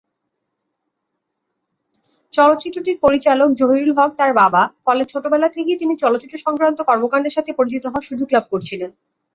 চলচ্চিত্রটির পরিচালক জহিরুল হক তারা বাবা, ফলে ছোটবেলা থেকেই তিনি চলচ্চিত্র সংক্রান্ত কর্মকান্ডের সাথে পরিচিত হওয়ার সুযোগ লাভ করেছিলেন।